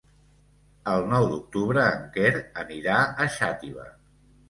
El nou d'octubre en Quer anirà a Xàtiva.